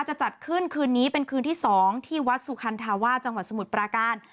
จะจัดขึ้นคืนนี้เป็นคืนที่๒ที่วัดสุคันธาวาสจังหวัดสมุทรปราการ